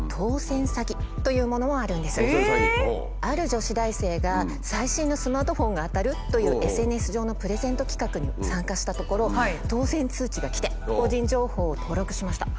ある女子大生が最新のスマートフォンが当たるというＳＮＳ上のプレゼント企画に参加したところ当選通知が来て個人情報を登録しました。